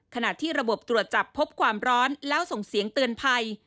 ขณะที่ระบบตรวจจับพบความร้อนแล้วส่งเสียงเตือนภัย